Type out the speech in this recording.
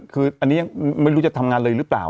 คืออันนี้ยังไม่รู้จะทำงานเลยหรือเปล่า